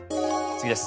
次です。